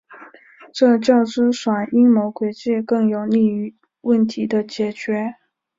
这较之耍阴谋诡计更有利于问题的解决。